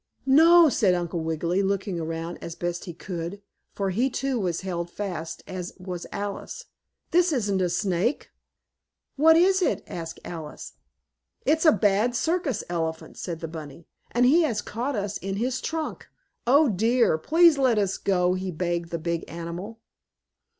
"No," said Uncle Wiggily, looking around as best he could, for he, too, was held fast as was Alice. "This isn't a snake." "What is it?" asked Alice. "It's a bad circus elephant," said the bunny, "and he has caught us in his trunk. Oh, dear! Please let us go!" he begged the big animal.